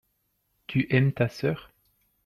tu aimes ta sœur.